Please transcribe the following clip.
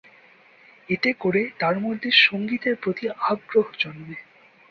এতে করে তার মধ্যে সঙ্গীতের প্রতি আগ্রহ জন্মে।